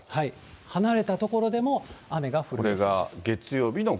離れた所でも雨が降る予想です。